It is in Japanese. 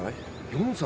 ４歳。